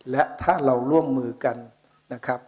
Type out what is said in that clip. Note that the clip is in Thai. และถ้าเราร่วมมือกันนะครับ